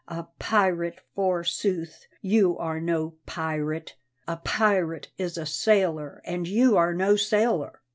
A pirate, forsooth! you are no pirate. A pirate is a sailor, and you are no sailor!